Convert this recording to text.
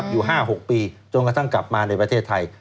อยู่๕๖ปีจนกระทั่งกลับมาในประเทศไทย